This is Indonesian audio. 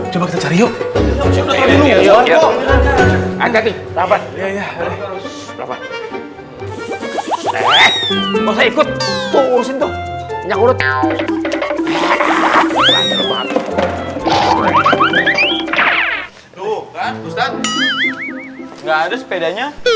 nggak ada sepedanya